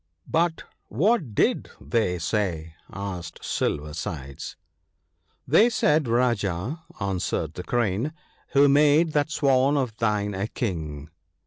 ' But what did they say ?' asked Silver sides. 'They said, Rajah,' answered the Crane, "who made that Swan of thine a King